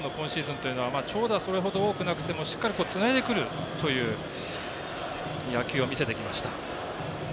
カープの今シーズンは長打はそれほど多くなくてもしっかりつないでくるという野球を見せてきました。